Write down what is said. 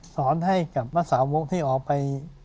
สอนให้กับนักสาวกที่ออกไป